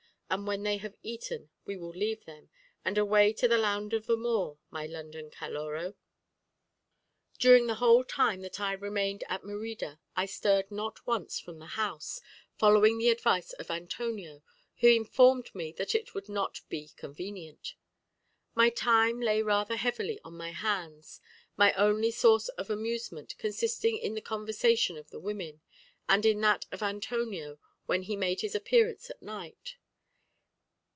And when they have eaten we will leave them, and away to the land of the Moor, my London Caloró. During the whole time that I remained at Merida I stirred not once from the house; following the advice of Antonio, who informed me that it would not be convenient. My time lay rather heavily on my hands, my only source of amusement consisting in the conversation of the women, and in that of Antonio when he made his appearance at night.